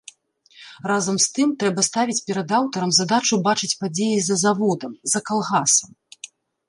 Разам з тым, трэба ставіць перад аўтарам задачу бачыць падзеі за заводам, за калгасам.